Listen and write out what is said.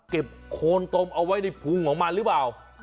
เก็บโครนโตมเอาไว้ในภูมิของมันหรือเปล่า